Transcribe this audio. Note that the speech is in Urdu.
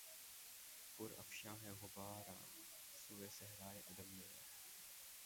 پرافشاں ہے غبار آں سوئے صحرائے عدم میرا